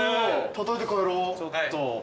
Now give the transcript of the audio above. たたいて帰ろう。